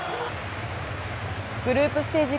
グループステージ